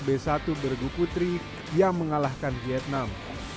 b satu bergu putri yang mengalahkan vietnam